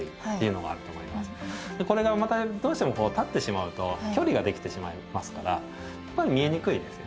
これがまたどうしても立ってしまうと距離ができてしまいますからやっぱり見えにくいですよね。